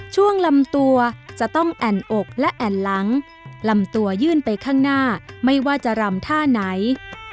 ช่วงลำตัวจะต้องแอ่นอกและแอ่นหลังลำตัวยื่นไปข้างหน้าไม่ว่าจะรำท่าไหน